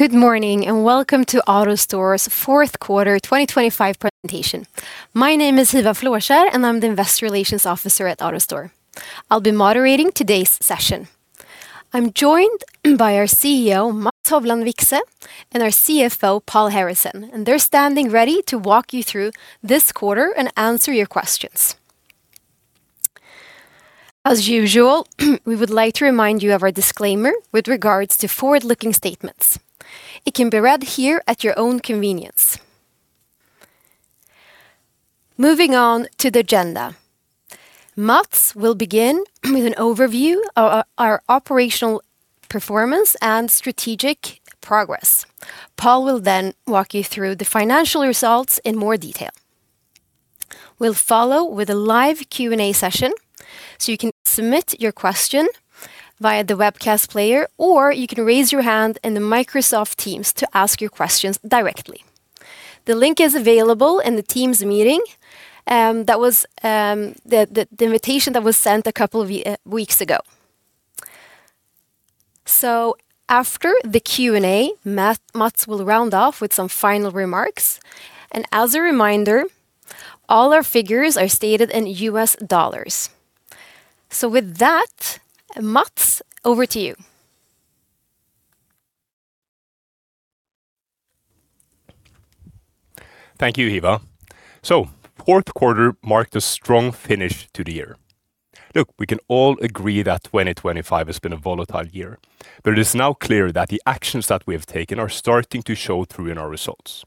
Good morning, and welcome to AutoStore's Q4 2025 Presentation. My name is Hiva Flåskjer, and I'm the Investor Relations Officer at AutoStore. I'll be moderating today's session. I'm joined by our CEO, Mats Hovland Vikse, and our CFO, Paul Harrison, and they're standing ready to walk you through this quarter and answer your questions. As usual, we would like to remind you of our disclaimer with regards to forward-looking statements. It can be read here at your own convenience. Moving on to the agenda. Mats will begin with an overview of our operational performance and strategic progress. Paul will then walk you through the financial results in more detail. We'll follow with a live Q&A session, so you can submit your question via the webcast player, or you can raise your hand in the Microsoft Teams to ask your questions directly. The link is available in the Teams meeting, that was the invitation that was sent a couple of weeks ago. So after the Q&A, Mats will round off with some final remarks, and as a reminder, all our figures are stated in U.S. dollars. So with that, Mats, over to you. Thank you, Hiva. So, Q4 marked a strong finish to the year. Look, we can all agree that 2025 has been a volatile year, but it is now clear that the actions that we have taken are starting to show through in our results.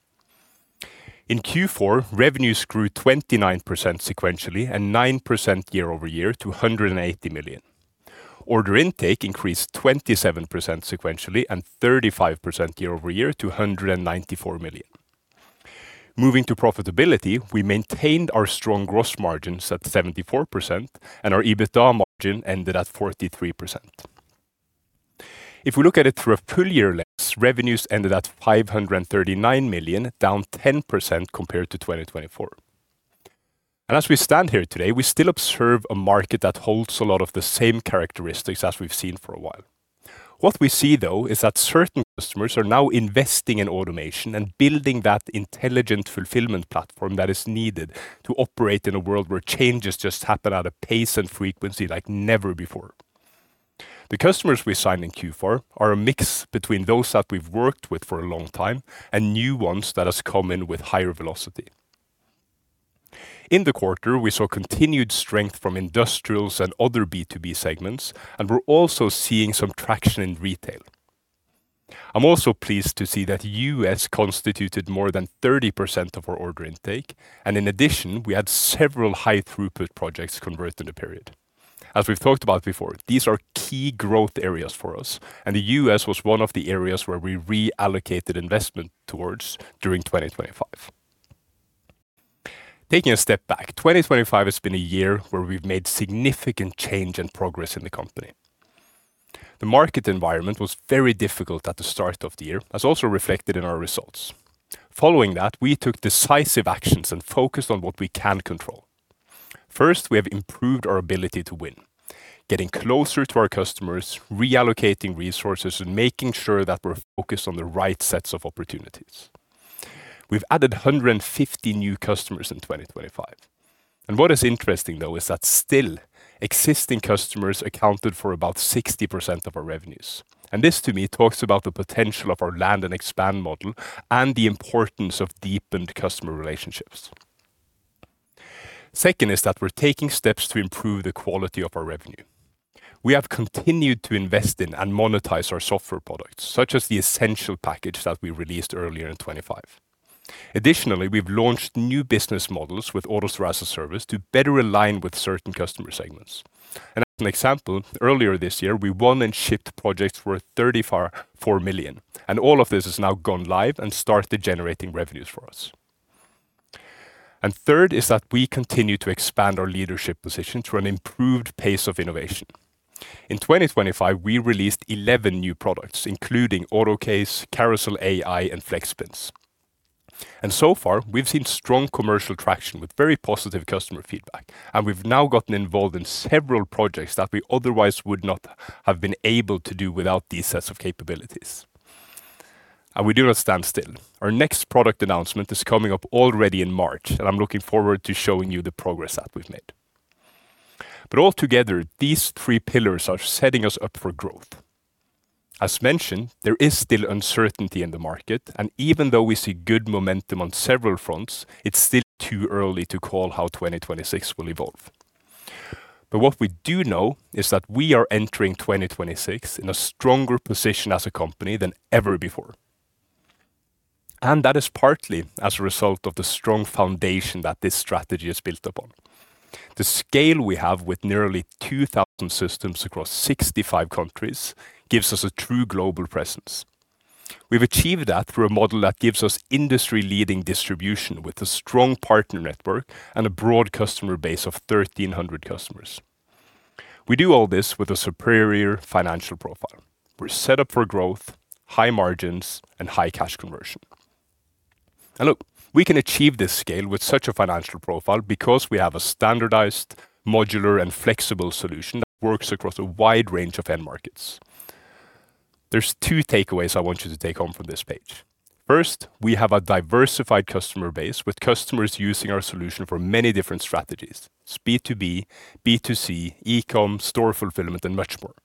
In Q4, revenues grew 29% sequentially and 9% year over year to $180 million. Order intake increased 27% sequentially and 35% year over year to $194 million. Moving to profitability, we maintained our strong gross margins at 74%, and our EBITDA margin ended at 43%. If we look at it through a full year lens, revenues ended at $539 million, down 10% compared to 2024. As we stand here today, we still observe a market that holds a lot of the same characteristics as we've seen for a while. What we see, though, is that certain customers are now investing in automation and building that intelligent fulfillment platform that is needed to operate in a world where changes just happen at a pace and frequency like never before. The customers we signed in Q4 are a mix between those that we've worked with for a long time and new ones that has come in with higher velocity. In the quarter, we saw continued strength from industrials and other B2B segments, and we're also seeing some traction in retail. I'm also pleased to see that US constituted more than 30% of our order intake, and in addition, we had several High Throughput projects convert in the period. As we've talked about before, these are key growth areas for us, and the U.S. was one of the areas where we reallocated investment towards during 2025. Taking a step back, 2025 has been a year where we've made significant change and progress in the company. The market environment was very difficult at the start of the year, as also reflected in our results. Following that, we took decisive actions and focused on what we can control. First, we have improved our ability to win, getting closer to our customers, reallocating resources, and making sure that we're focused on the right sets of opportunities. We've added 150 new customers in 2025, and what is interesting, though, is that still existing customers accounted for about 60% of our revenues. And this, to me, talks about the potential of our Land and Expand model and the importance of deepened customer relationships. Second, is that we're taking steps to improve the quality of our revenue. We have continued to invest in and monetize our software products, such as the Essential package that we released earlier in 2025. Additionally, we've launched new business models with AutoStore as a Service to better align with certain customer segments. And as an example, earlier this year, we won and shipped projects worth $34 million, and all of this has now gone live and started generating revenues for us. And third is that we continue to expand our leadership position through an improved pace of innovation. In 2025, we released 11 new products, including AutoCase, Carousel AI, and FlexBins. And so far, we've seen strong commercial traction with very positive customer feedback, and we've now gotten involved in several projects that we otherwise would not have been able to do without these sets of capabilities. We do not stand still. Our next product announcement is coming up already in March, and I'm looking forward to showing you the progress that we've made. Altogether, these three pillars are setting us up for growth. As mentioned, there is still uncertainty in the market, and even though we see good momentum on several fronts, it's still too early to call how 2026 will evolve. What we do know is that we are entering 2026 in a stronger position as a company than ever before, and that is partly as a result of the strong foundation that this strategy is built upon. The scale we have with nearly 2,000 systems across 65 countries gives us a true global presence. We've achieved that through a model that gives us industry-leading distribution, with a strong partner network and a broad customer base of 1,300 customers. We do all this with a superior financial profile. We're set up for growth, high margins, and high cash conversion. And look, we can achieve this scale with such a financial profile because we have a standardized, modular, and flexible solution that works across a wide range of end markets. There's two takeaways I want you to take home from this page: First, we have a diversified customer base, with customers using our solution for many different strategies: B2B, B2C, e-com, store fulfillment, and much more.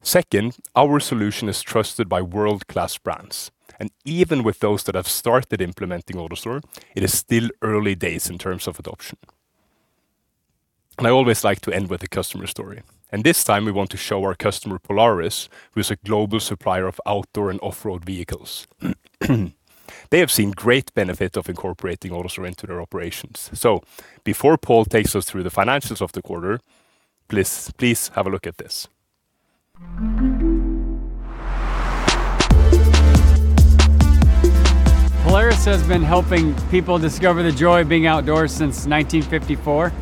Second, our solution is trusted by world-class brands, and even with those that have started implementing AutoStore, it is still early days in terms of adoption. I always like to end with a customer story, and this time we want to show our customer, Polaris, who is a global supplier of outdoor and off-road vehicles. They have seen great benefit of incorporating AutoStore into their operations. Before Paul takes us through the financials of the quarter, please, please have a look at this. Polaris has been helping people discover the joy of being outdoors since 1954.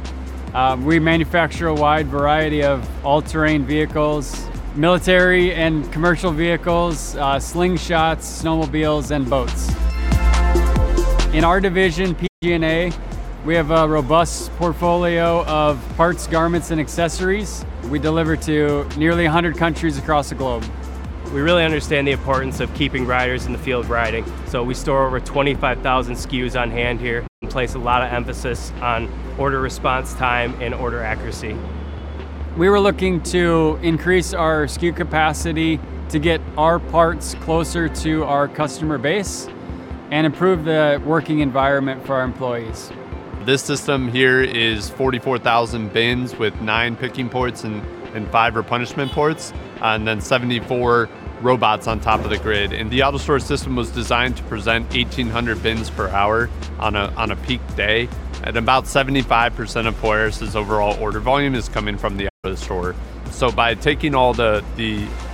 We manufacture a wide variety of all-terrain vehicles, military and commercial vehicles, Slingshots, snowmobiles, and boats. In our division, PG&A, we have a robust portfolio of parts, garments, and accessories. We deliver to nearly 100 countries across the globe. We really understand the importance of keeping riders in the field riding, so we store over 25,000 SKUs on hand here and place a lot of emphasis on order response time and order accuracy. We were looking to increase our SKU capacity to get our parts closer to our customer base and improve the working environment for our employees. This system here is 44,000 bins with 9 picking ports and five replenishment ports, and then 74 robots on top of the grid. The AutoStore system was designed to present 1,800 bins per hour on a peak day, at about 75% of Polaris' overall order volume is coming from the AutoStore. So by taking all the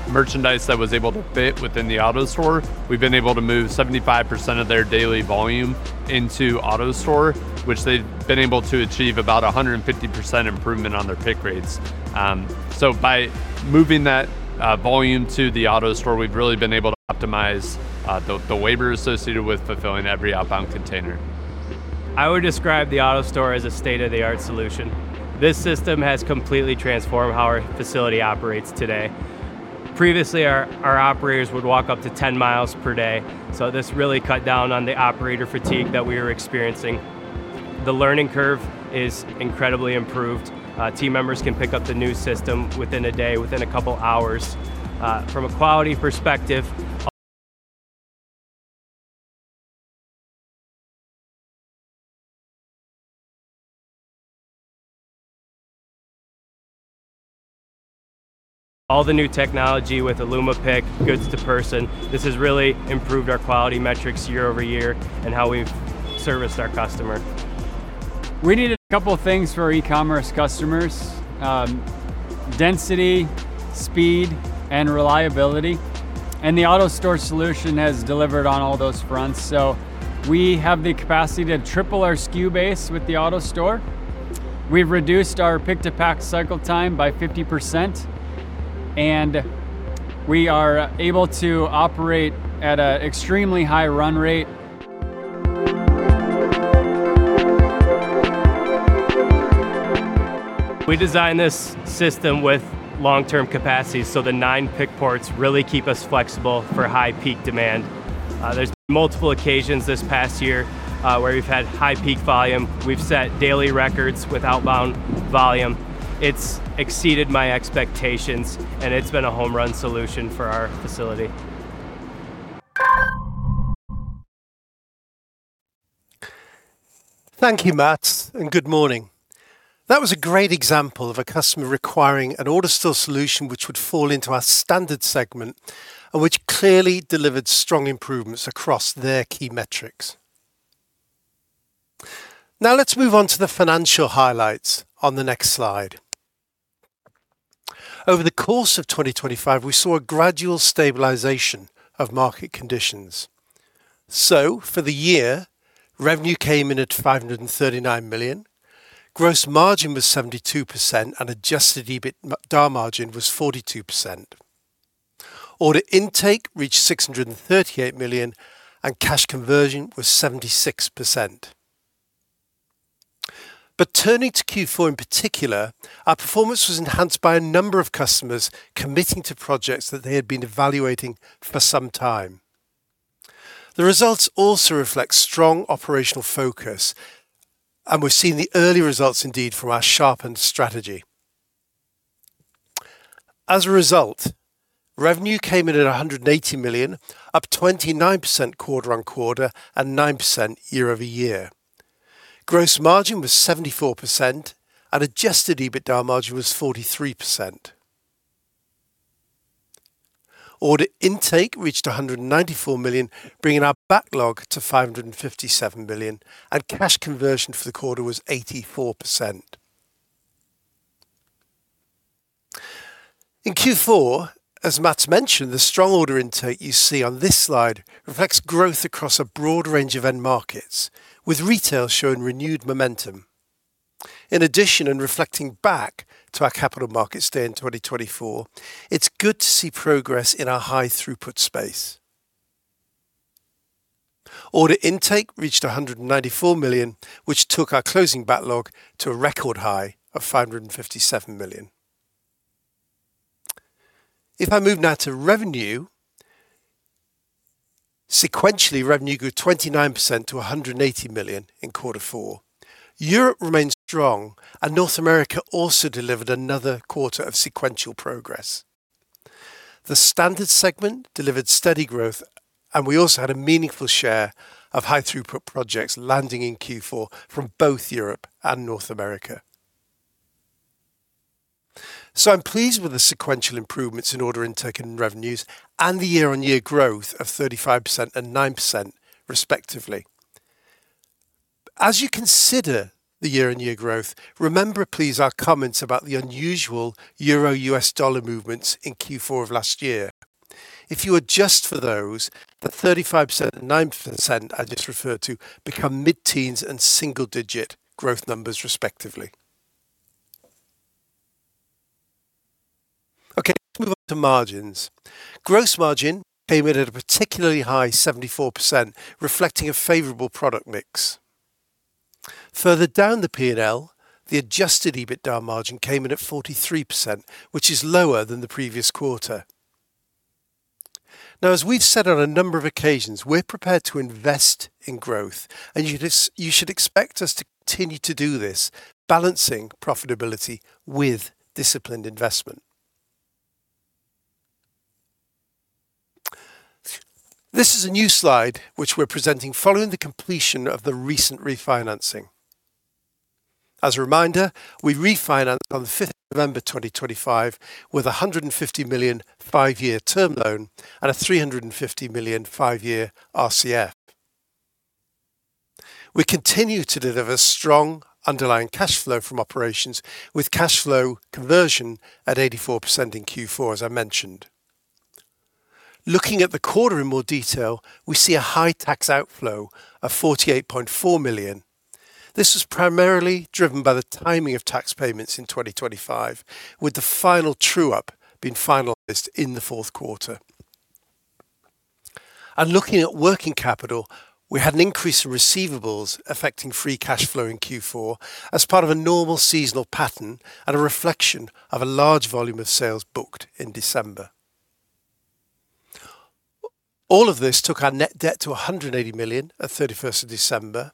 merchandise that was able to fit within the AutoStore, we've been able to move 75% of their daily volume into AutoStore, which they've been able to achieve about a 150% improvement on their pick rates. So by moving that volume to the AutoStore, we've really been able to optimize the labor associated with fulfilling every outbound container. I would describe the AutoStore as a state-of-the-art solution. This system has completely transformed how our facility operates today. Previously, our operators would walk up to 10 miles per day, so this really cut down on the operator fatigue that we were experiencing. The learning curve is incredibly improved. Team members can pick up the new system within a day, within a couple hours. From a quality perspective, all the new technology with illuminated pick Goods-to-Person, this has really improved our quality metrics year-over-year and how we've serviced our customer. We needed a couple of things for our e-commerce customers: density, speed, and reliability, and the AutoStore solution has delivered on all those fronts. So we have the capacity to triple our SKU base with the AutoStore. We've reduced our pick-to-pack cycle time by 50%, and we are able to operate at a extremely high run rate. We designed this system with long-term capacity, so the nine pick ports really keep us flexible for high peak demand. There's been multiple occasions this past year, where we've had high peak volume. We've set daily records with outbound volume. It's exceeded my expectations, and it's been a home run solution for our facility. Thank you, Mats, and good morning. That was a great example of a customer requiring an AutoStore solution, which would fall into our Standard Segment, and which clearly delivered strong improvements across their key metrics. Now, let's move on to the financial highlights on the next slide. Over the course of 2025, we saw a gradual stabilization of market conditions. So for the year, revenue came in at $539 million, gross margin was 72%, and adjusted EBITDA margin was 42%. Order intake reached $638 million, and cash conversion was 76%. But turning to Q4 in particular, our performance was enhanced by a number of customers committing to projects that they had been evaluating for some time. The results also reflect strong operational focus, and we're seeing the early results indeed from our sharpened strategy. As a result, revenue came in at $180 million, up 29% quarter-on-quarter and 9% year-over-year. Gross margin was 74%, and adjusted EBITDA margin was 43%. Order intake reached $194 million, bringing our backlog to $557 million, and cash conversion for the quarter was 84%. In Q4, as Mats mentioned, the strong order intake you see on this slide reflects growth across a broad range of end markets, with retail showing renewed momentum.... In addition, and reflecting back to our capital markets day in 2024, it's good to see progress in our high throughput space. Order intake reached $194 million, which took our closing backlog to a record high of $557 million. If I move now to revenue, sequentially, revenue grew 29% to $180 million in quarter four. Europe remains strong, and North America also delivered another quarter of sequential progress. The Standard Segment delivered steady growth, and we also had a meaningful share of High Throughput projects landing in Q4 from both Europe and North America. So I'm pleased with the sequential improvements in order intake and revenues, and the year-on-year growth of 35% and 9% respectively. As you consider the year-on-year growth, remember, please, our comments about the unusual euro/U.S. dollar movements in Q4 of last year. If you adjust for those, the 35% and 9% I just referred to become mid-teens and single-digit growth numbers, respectively. Okay, let's move on to margins. Gross margin came in at a particularly high 74%, reflecting a favorable product mix. Further down the P&L, the adjusted EBITDA margin came in at 43%, which is lower than the previous quarter. Now, as we've said on a number of occasions, we're prepared to invest in growth, and you just, you should expect us to continue to do this, balancing profitability with disciplined investment. This is a new slide, which we're presenting following the completion of the recent refinancing. As a reminder, we refinanced on the fifth of November 2025, with a $150 million five-year term loan and a $350 million five-year RCF. We continue to deliver strong underlying cash flow from operations, with cash flow conversion at 84% in Q4, as I mentioned. Looking at the quarter in more detail, we see a high tax outflow of $48.4 million. This was primarily driven by the timing of tax payments in 2025, with the final true up being finalized in the Q4. Looking at working capital, we had an increase in receivables affecting free cash flow in Q4 as part of a normal seasonal pattern and a reflection of a large volume of sales booked in December. All of this took our net debt to $180 million at December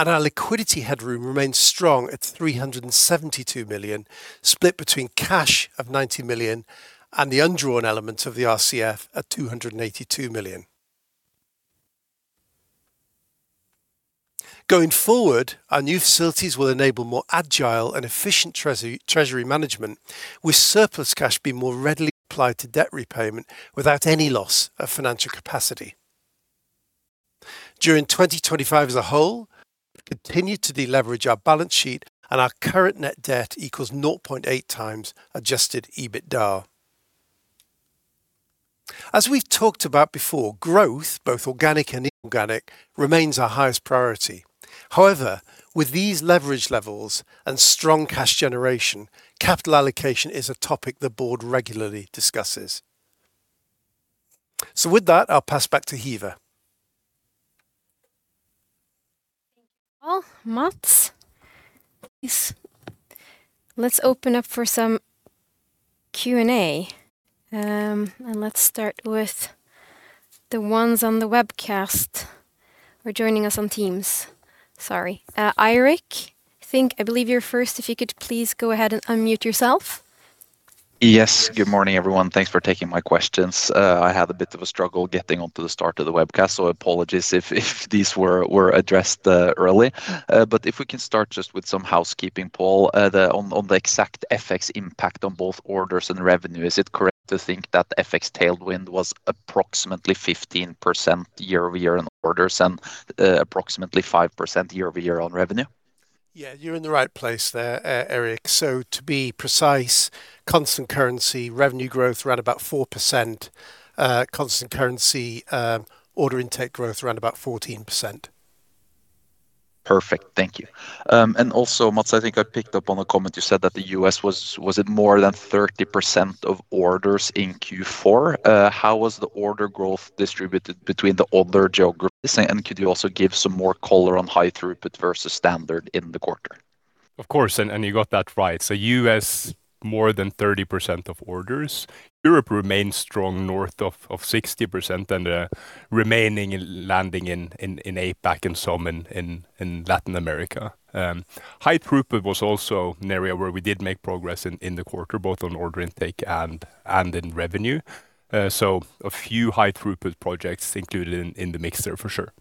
31, and our liquidity headroom remains strong at $372 million, split between cash of $90 million and the undrawn elements of the RCF at $282 million. Going forward, our new facilities will enable more agile and efficient treasury management, with surplus cash being more readily applied to debt repayment without any loss of financial capacity. During 2025 as a whole, we continued to deleverage our balance sheet, and our current net debt equals 0.8x adjusted EBITDA. As we've talked about before, growth, both organic and inorganic, remains our highest priority. However, with these leverage levels and strong cash generation, capital allocation is a topic the board regularly discusses. With that, I'll pass back to Hiva. Thank you, Paul, Mats. Please, let's open up for some Q&A. Let's start with the ones on the webcast or joining us on Teams. Sorry, Eirik, I think I believe you're first. If you could please go ahead and unmute yourself. Yes. Good morning, everyone. Thanks for taking my questions. I had a bit of a struggle getting onto the start of the webcast, so apologies if these were addressed early. But if we can start just with some housekeeping, Paul, the on the exact FX impact on both orders and revenue, is it correct to think that the FX tailwind was approximately 15% year-over-year on orders and approximately 5% year-over-year on revenue? Yeah, you're in the right place there, Eirik. So to be precise, constant currency revenue growth around about 4%, constant currency, order intake growth around about 14%. Perfect. Thank you. And also, Mats, I think I picked up on a comment. You said that the U.S. was it more than 30% of orders in Q4? How was the order growth distributed between the other geographies? And could you also give some more color on High Throughput versus Standard in the quarter? Of course, you got that right. So US, more than 30% of orders. Europe remains strong, north of 60%, and remaining landing in APAC and some in Latin America. High Throughput was also an area where we did make progress in the quarter, both on order intake and in revenue. So a few High Throughput projects included in the mix there for sure.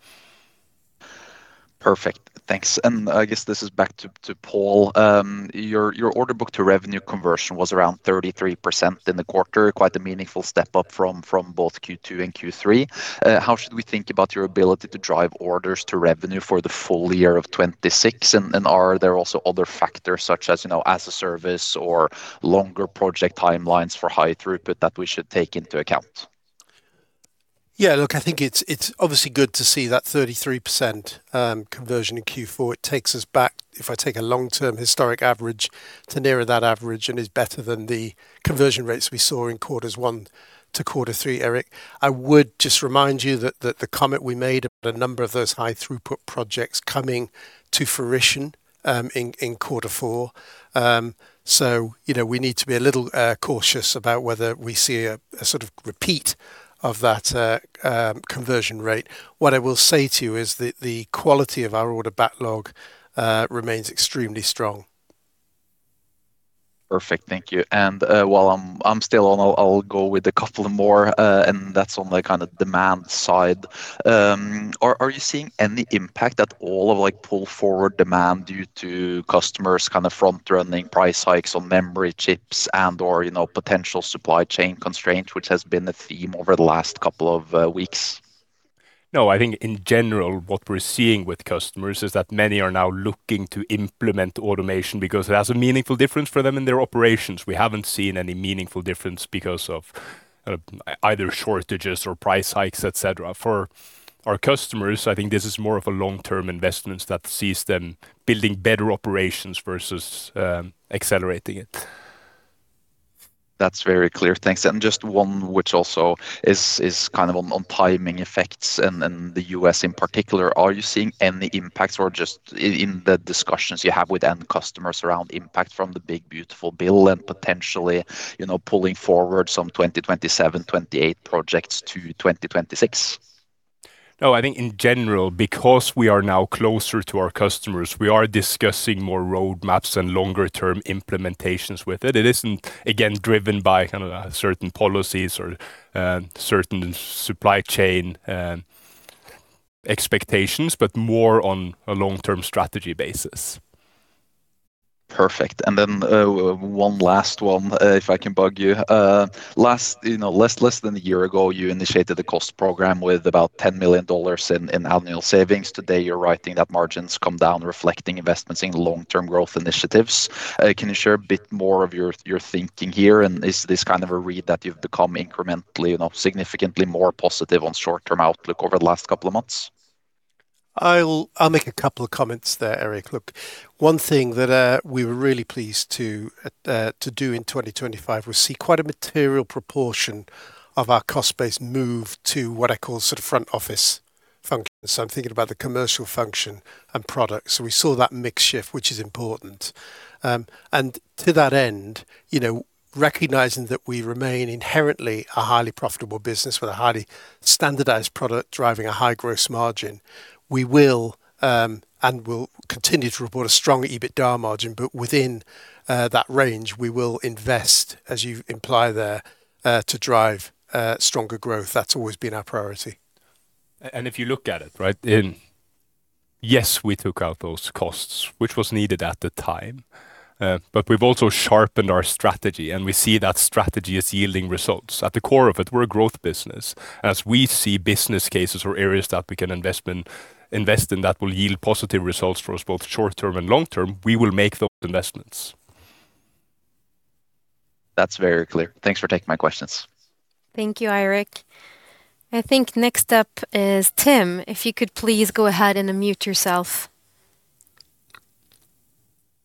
Perfect, thanks. And I guess this is back to Paul. Your order book to revenue conversion was around 33% in the quarter, quite a meaningful step up from both Q2 and Q3. How should we think about your ability to drive orders to revenue for the full year of 2026? And are there also other factors such as, you know, as a service or longer project timelines for High Throughput that we should take into account? ... Yeah, look, I think it's obviously good to see that 33% conversion in Q4. It takes us back, if I take a long-term historic average, to nearer that average, and is better than the conversion rates we saw in quarters 1 to quarter 3, Eirik. I would just remind you that the comment we made about a number of those High Throughput projects coming to fruition in quarter 4. So, you know, we need to be a little cautious about whether we see a sort of repeat of that conversion rate. What I will say to you is the quality of our order backlog remains extremely strong. Perfect. Thank you. And while I'm still on, I'll go with a couple of more, and that's on the kind of demand side. Are you seeing any impact at all of, like, pull forward demand due to customers kind of front-running price hikes on memory chips and/or, you know, potential supply chain constraints, which has been the theme over the last couple of weeks? No, I think in general, what we're seeing with customers is that many are now looking to implement automation because it has a meaningful difference for them in their operations. We haven't seen any meaningful difference because of either shortages or price hikes, et cetera. For our customers, I think this is more of a long-term investment that sees them building better operations versus accelerating it. That's very clear. Thanks. And just one which also is kind of on timing effects and the U.S. in particular. Are you seeing any impacts or just in the discussions you have with end customers around impact from the big, beautiful bill and potentially, you know, pulling forward some 2027, 2028 projects to 2026? No, I think in general, because we are now closer to our customers, we are discussing more roadmaps and longer term implementations with it. It isn't, again, driven by kind of, certain policies or, certain supply chain, expectations, but more on a long-term strategy basis. Perfect. And then, one last one, if I can bug you. Last—you know, less, less than a year ago, you initiated a cost program with about $10 million in annual savings. Today, you're writing that margins come down, reflecting investments in long-term growth initiatives. Can you share a bit more of your thinking here? And is this kind of a read that you've become incrementally, you know, significantly more positive on short-term outlook over the last couple of months? I'll make a couple of comments there, Eirik. Look, one thing that we were really pleased to do in 2025, was see quite a material proportion of our cost base move to what I call sort of front office functions. So I'm thinking about the commercial function and product. So we saw that mix shift, which is important. And to that end, you know, recognizing that we remain inherently a highly profitable business with a highly standardized product driving a high gross margin, we will and will continue to report a strong EBITDA margin, but within that range, we will invest, as you imply there, to drive stronger growth. That's always been our priority. If you look at it, right, yes, we took out those costs, which was needed at the time. But we've also sharpened our strategy, and we see that strategy is yielding results. At the core of it, we're a growth business. As we see business cases or areas that we can invest in, that will yield positive results for us, both short term and long term, we will make those investments. That's very clear. Thanks for taking my questions. Thank you, Eirik. I think next up is Tim. If you could please go ahead and unmute yourself.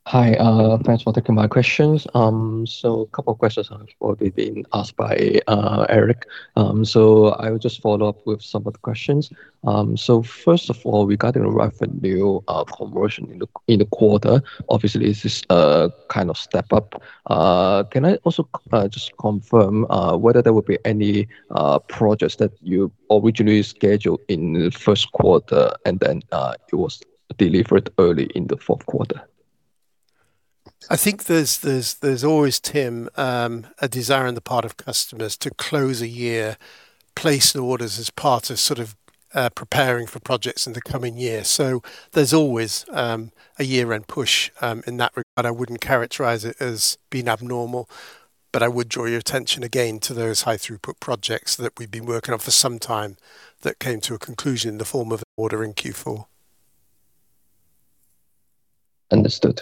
Hi, thanks for taking my questions. So a couple of questions have already been asked by, Eirik. So I will just follow up with some of the questions. So first of all, regarding revenue, conversion in the, in the quarter, obviously, this is a kind of step up. Can I also, just confirm, whether there will be any, projects that you originally scheduled in the Q1, and then, it was delivered early in the Q4? I think there's always, Tim, a desire on the part of customers to close a year, place the orders as part of sort of preparing for projects in the coming year. So there's always a year-end push in that regard. I wouldn't characterize it as being abnormal, but I would draw your attention again to those High Throughput projects that we've been working on for some time, that came to a conclusion in the form of an order in Q4. Understood.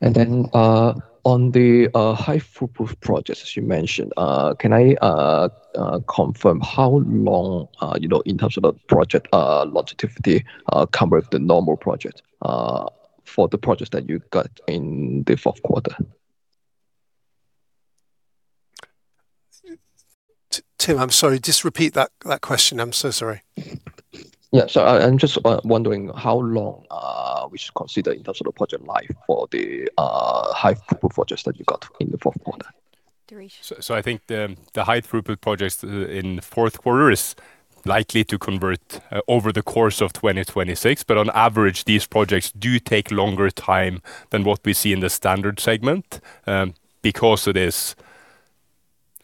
And then, on the High Throughput projects, as you mentioned, can I confirm how long, you know, in terms of the project, logistically, compare with the normal project, for the projects that you got in the Q4? Tim, I'm sorry, just repeat that, that question. I'm so sorry. Yeah, so I'm just wondering how long we should consider in terms of the project life for the High Throughput projects that you got in the Q4? Duration. I think the High Throughput projects in the Q4 are likely to convert over the course of 2026, but on average, these projects do take longer time than what we see in the Standard Segment, because it is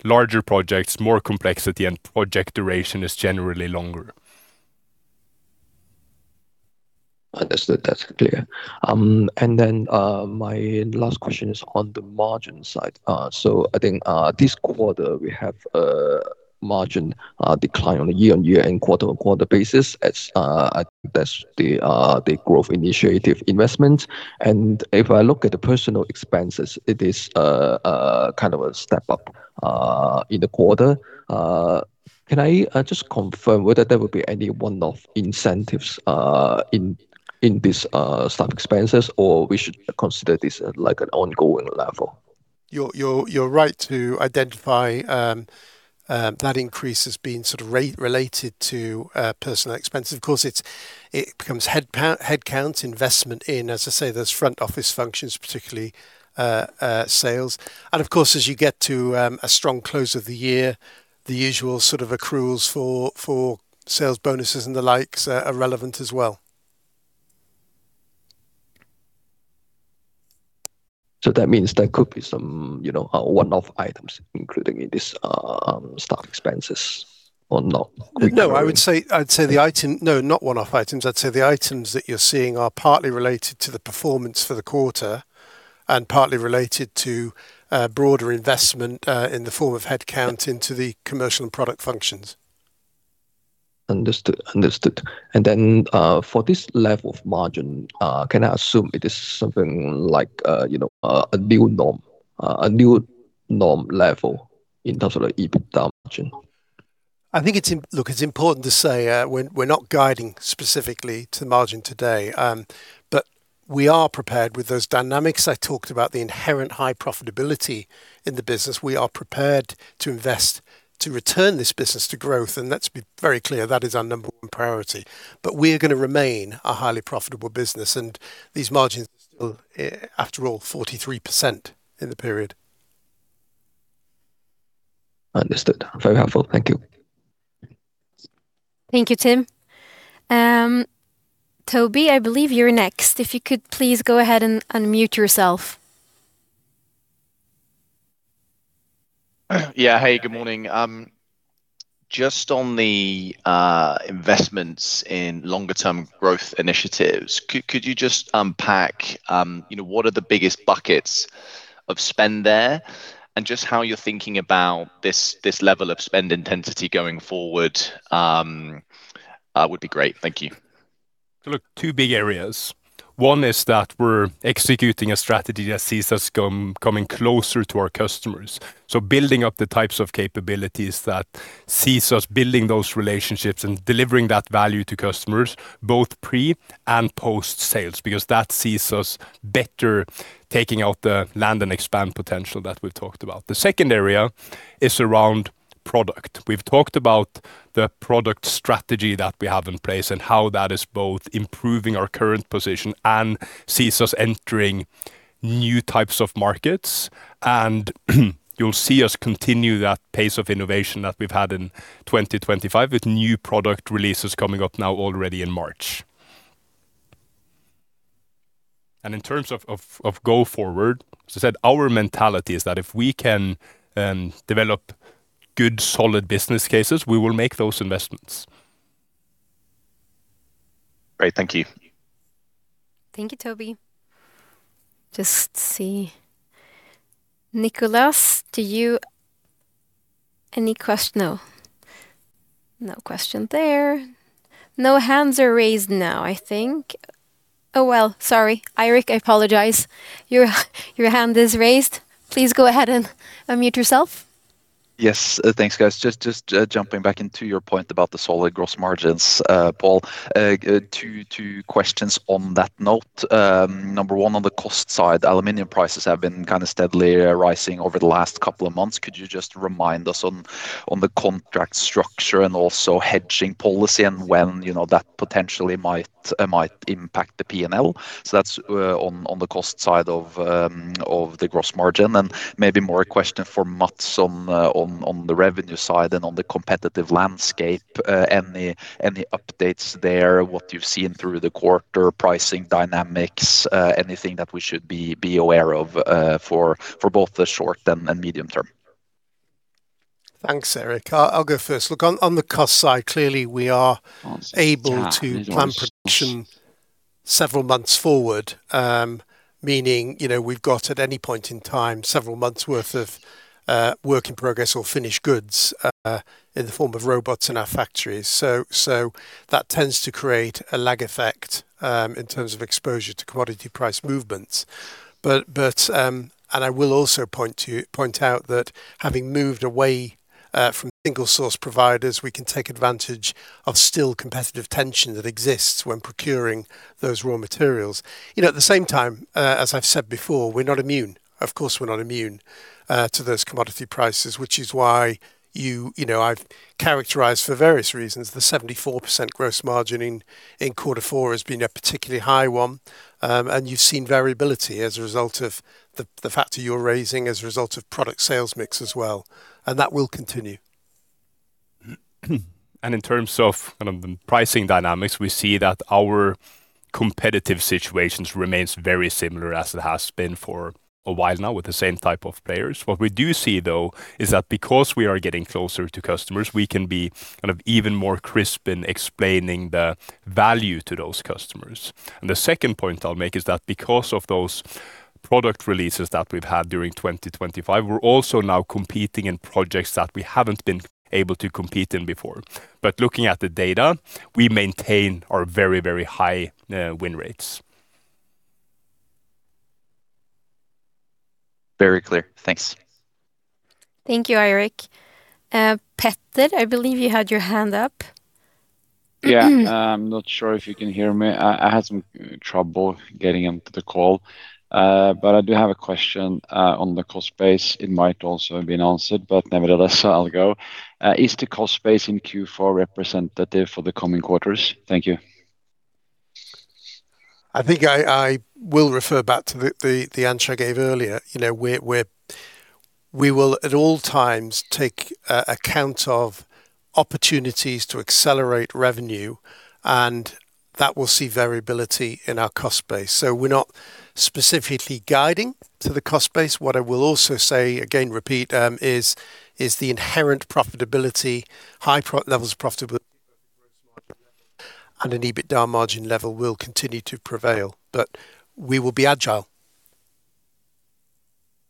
larger projects, more complexity, and project duration is generally longer. Understood. That's clear. And then, my last question is on the margin side. So I think, this quarter we have, margin decline on a year-on-year and quarter-on-quarter basis, as I think that's the, the growth initiative investment. And if I look at the personnel expenses, it is, kind of a step up, in the quarter. Can I, just confirm whether there will be any one-off incentives, in, in this, staff expenses, or we should consider this as like an ongoing level? You're right to identify that increase as being sort of related to personnel expense. Of course, it becomes headcount investment in, as I say, those front office functions, particularly sales. Of course, as you get to a strong close of the year, the usual sort of accruals for sales bonuses and the likes are relevant as well. So that means there could be some, you know, one-off items, including in this, staff expenses or not? No, I would say, I'd say the item, no, not one-off items. I'd say the items that you're seeing are partly related to the performance for the quarter and partly related to broader investment in the form of headcount into the commercial and product functions. Understood. Understood. And then, for this level of margin, can I assume it is something like, you know, a, a new norm, a new norm level in terms of the EBIT margin? I think it's. Look, it's important to say, we're, we're not guiding specifically to the margin today, but we are prepared with those dynamics. I talked about the inherent high profitability in the business. We are prepared to invest to return this business to growth, and let's be very clear, that is our number one priority. But we are gonna remain a highly profitable business, and these margins are still, after all, 43% in the period. Understood. Very helpful. Thank you. Thank you, Tim. Toby, I believe you're next. If you could please go ahead and unmute yourself. Yeah. Hey, good morning. Just on the investments in longer term growth initiatives, could you just unpack, you know, what are the biggest buckets of spend there, and just how you're thinking about this level of spend intensity going forward, would be great. Thank you. Look, two big areas. One is that we're executing a strategy that sees us coming closer to our customers. So building up the types of capabilities that sees us building those relationships and delivering that value to customers, both pre- and post-sales, because that sees us better taking out the Land and Expand potential that we've talked about. The second area is around product. We've talked about the product strategy that we have in place and how that is both improving our current position and sees us entering new types of markets. And you'll see us continue that pace of innovation that we've had in 2025, with new product releases coming up now already in March. And in terms of go forward, as I said, our mentality is that if we can develop good, solid business cases, we will make those investments. Great. Thank you. Thank you, Toby. Just see. No. No question there. No hands are raised now, I think. Oh, well, sorry, Eirik, I apologize. Your hand is raised. Please go ahead and unmute yourself. Yes. Thanks, guys. Just jumping back into your point about the solid gross margins, Paul, 2 questions on that note. Number 1, on the cost side, aluminum prices have been kind of steadily rising over the last couple of months. Could you just remind us on the contract structure and also hedging policy and when, you know, that potentially might impact the P&L? So that's on the cost side of the gross margin, and maybe more a question for Mats on the revenue side and on the competitive landscape, any updates there, what you've seen through the quarter, pricing dynamics, anything that we should be aware of for both the short- and medium-term? Thanks, Eirik. I'll go first. Look, on the cost side, clearly, we are able to plan production several months forward, meaning, you know, we've got, at any point in time, several months worth of work in progress or finished goods in the form of robots in our factories. So that tends to create a lag effect in terms of exposure to commodity price movements. But... And I will also point out that having moved away from single source providers, we can take advantage of still competitive tension that exists when procuring those raw materials. You know, at the same time, as I've said before, we're not immune. Of course, we're not immune to those commodity prices, which is why you... You know, I've characterized for various reasons, the 74% gross margin in, in quarter four has been a particularly high one, and you've seen variability as a result of the, the factor you're raising, as a result of product sales mix as well, and that will continue. In terms of kind of the pricing dynamics, we see that our competitive situations remains very similar as it has been for a while now, with the same type of players. What we do see, though, is that because we are getting closer to customers, we can be kind of even more crisp in explaining the value to those customers. And the second point I'll make is that because of those product releases that we've had during 2025, we're also now competing in projects that we haven't been able to compete in before. But looking at the data, we maintain our very, very high win rates.... Very clear. Thanks. Thank you, Eirik. Petter, I believe you had your hand up. Yeah. I'm not sure if you can hear me. I had some trouble getting into the call, but I do have a question on the cost base. It might also have been answered, but nevertheless, I'll go. Is the cost base in Q4 representative for the coming quarters? Thank you. I think I will refer back to the answer I gave earlier. You know, we will, at all times, take account of opportunities to accelerate revenue, and that will see variability in our cost base. So we're not specifically guiding to the cost base. What I will also say, again, repeat, is the inherent profitability, high levels of profitability, gross margin level and an EBITDA margin level will continue to prevail, but we will be agile.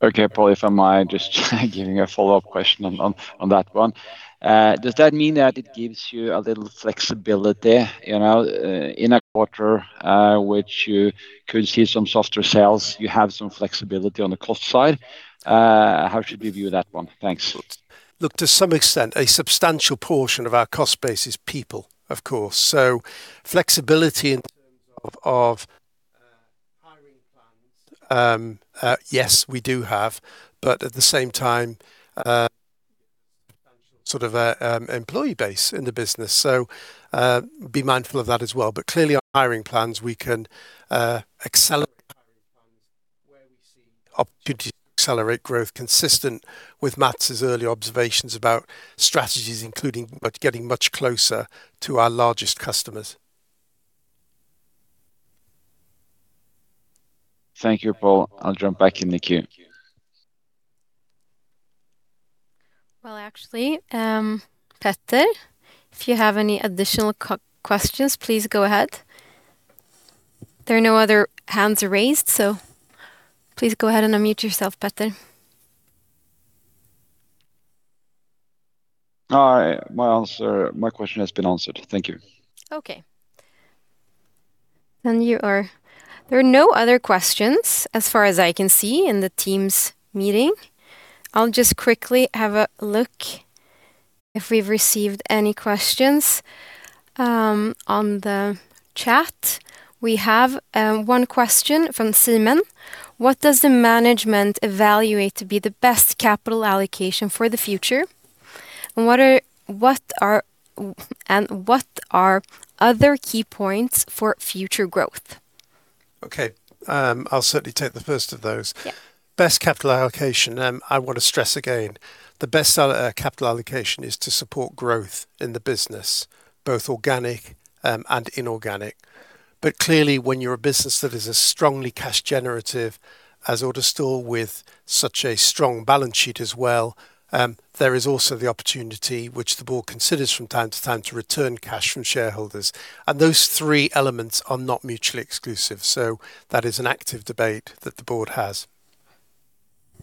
Okay, Paul, if I might just giving a follow-up question on that one. Does that mean that it gives you a little flexibility, you know, in a quarter, which you could see some softer sales, you have some flexibility on the cost side? How should we view that one? Thanks. Look, to some extent, a substantial portion of our cost base is people, of course. So flexibility in terms of hiring plans, yes, we do have, but at the same time, substantial sort of employee base in the business. So, be mindful of that as well. But clearly, on hiring plans, we can accelerate hiring plans where we see opportunity to accelerate growth, consistent with Mats' early observations about strategies, including but getting much closer to our largest customers. Thank you, Paul. I'll jump back in the queue. Well, actually, Petter, if you have any additional questions, please go ahead. There are no other hands raised, so please go ahead and unmute yourself, Petter. All right. My question has been answered. Thank you. Okay. Then you are... There are no other questions as far as I can see in the Teams meeting. I'll just quickly have a look if we've received any questions on the chat. We have one question from Simon: "What does the management evaluate to be the best capital allocation for the future? And what are other key points for future growth? Okay, I'll certainly take the first of those. Yeah. Best capital allocation, I want to stress again, the best capital allocation is to support growth in the business, both organic, and inorganic. But clearly, when you're a business that is as strongly cash generative as AutoStore, with such a strong balance sheet as well, there is also the opportunity, which the board considers from time to time, to return cash to shareholders. And those three elements are not mutually exclusive, so that is an active debate that the board has.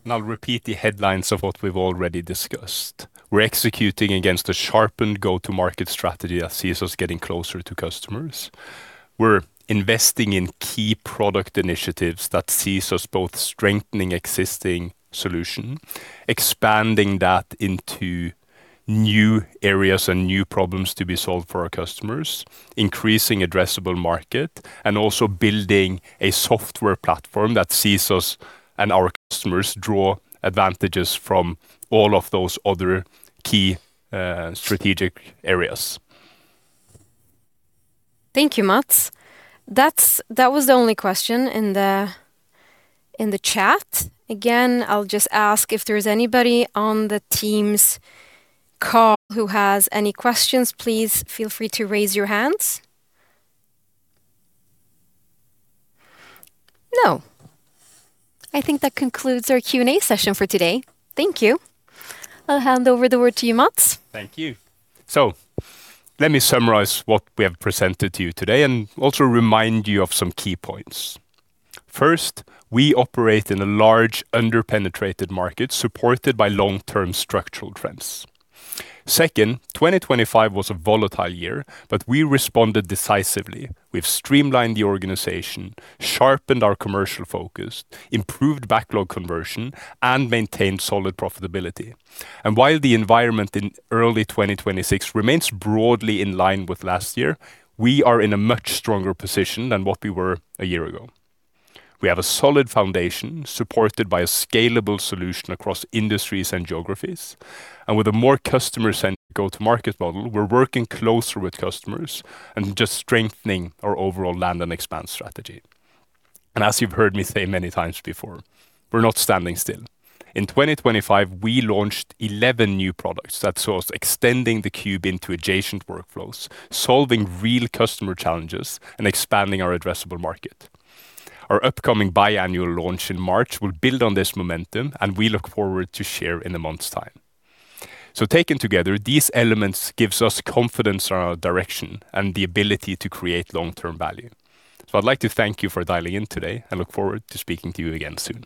I'll repeat the headlines of what we've already discussed. We're executing against a sharpened go-to-market strategy that sees us getting closer to customers. We're investing in key product initiatives that sees us both strengthening existing solution, expanding that into new areas and new problems to be solved for our customers, increasing addressable market, and also building a software platform that sees us and our customers draw advantages from all of those other key, strategic areas. Thank you, Mats. That was the only question in the chat. Again, I'll just ask if there is anybody on the team's call who has any questions, please feel free to raise your hands. No. I think that concludes our Q&A session for today. Thank you. I'll hand over the word to you, Mats. Thank you. So let me summarize what we have presented to you today and also remind you of some key points. First, we operate in a large, underpenetrated market, supported by long-term structural trends. Second, 2025 was a volatile year, but we responded decisively. We've streamlined the organization, sharpened our commercial focus, improved backlog conversion, and maintained solid profitability. And while the environment in early 2026 remains broadly in line with last year, we are in a much stronger position than what we were a year ago. We have a solid foundation, supported by a scalable solution across industries and geographies, and with a more customer-centric go-to-market model, we're working closer with customers and just strengthening our overall land and expand strategy. And as you've heard me say many times before, we're not standing still. In 2025, we launched 11 new products that saw us extending the cube into adjacent workflows, solving real customer challenges, and expanding our addressable market. Our upcoming biannual launch in March will build on this momentum, and we look forward to share in a month's time. So taken together, these elements gives us confidence in our direction and the ability to create long-term value. So I'd like to thank you for dialing in today. I look forward to speaking to you again soon.